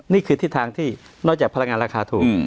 นี่คือทิศทางที่นอกจากพลังงานราคาถูก